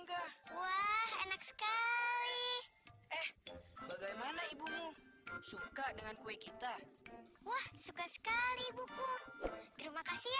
kami menunjukkan kawannya